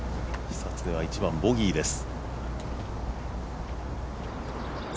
久常は１番、ボギーです。